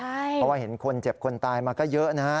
เพราะว่าเห็นคนเจ็บคนตายมาก็เยอะนะฮะ